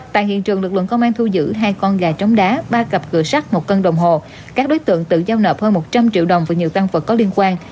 tại hiện trường lực lượng công an thu giữ hai con gà trống đá ba cặp cửa sắt một cân đồng hồ các đối tượng tự giao nộp hơn một trăm linh triệu đồng và nhiều tăng vật có liên quan